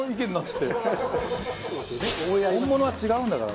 本物は違うんだから。